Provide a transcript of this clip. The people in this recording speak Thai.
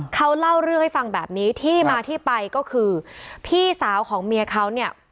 เขาเล่าเรื่องให้ฟังแบบนี้ที่มาที่ไปก็คือพี่สาวของเมียเขาเนี่ย